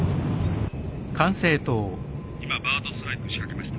今バードストライクしかけました。